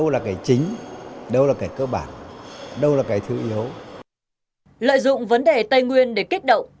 lợi dụng vấn đề tây nguyên để kết động